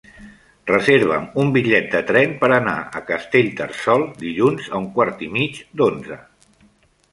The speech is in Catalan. Reserva'm un bitllet de tren per anar a Castellterçol dilluns a un quart i mig d'onze.